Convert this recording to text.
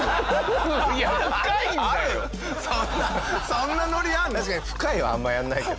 そんなノリあるの？